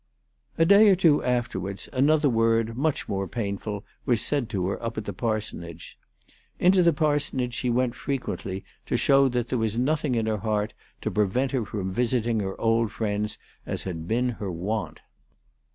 A day or two afterwards another word, much more painful, was said to her up at the parsonage. Into the parsonage she went frequently to show that there was nothing in her heart to prevent her visiting her old friends as had been her wont.